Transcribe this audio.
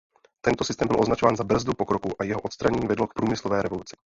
Tento systém byl označován za brzdu pokroku a jeho odstranění vedlo k průmyslové revoluci.